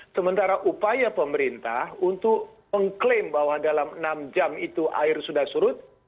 sementara upaya pemerintah untuk mengklaim bahwa dalam enam jam itu air sudah surut